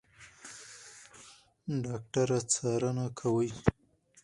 ډاکټره څارنه کوي.